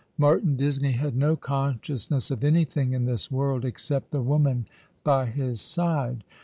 Martin Disney had no consciousness of anything in this world except the woman by his side.